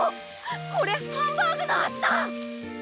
これハンバーグの味だ！